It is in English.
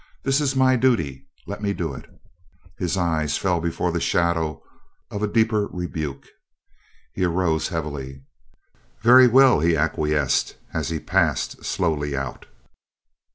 This is my duty. Let me do it." His eyes fell before the shadow of a deeper rebuke. He arose heavily. "Very well," he acquiesced as he passed slowly out.